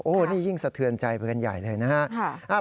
โอ้นี่ยิ่งสะเทือนใจเพื่อนใหญ่เลยนะครับ